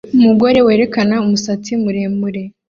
Umugore werekana umusatsi muremure